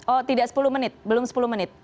oh tidak sepuluh menit belum sepuluh menit